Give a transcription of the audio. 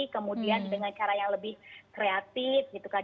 kemudian dengan cara yang lebih kreatif gitu kan